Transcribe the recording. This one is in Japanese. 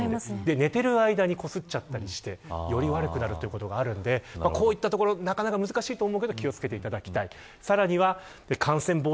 寝ている間にこすっちゃったりしてより悪くなるということがあるのでこういったところなかなか難しいと思うけど気を付けていただきたい。